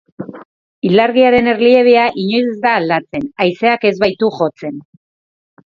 Ilargiaren erliebea inoiz ez da aldatzen, haizeak ez baitu jotzen.